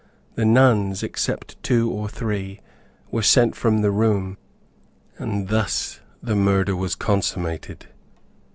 The nuns, except two or three, were sent from the room, and thus the murder was consummated.